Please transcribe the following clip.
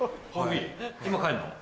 今帰んの？